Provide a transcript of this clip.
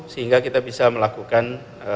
sehingga kita bisa melakukan